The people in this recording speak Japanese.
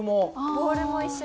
ボールも一緒に。